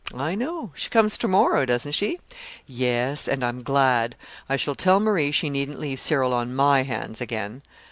"I know. She comes to morrow, doesn't she?" "Yes, and I'm glad. I shall tell Marie she needn't leave Cyril on my hands again.